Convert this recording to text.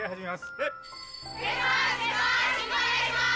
お願いします！